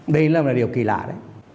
đây là một điều kỳ lạ đấy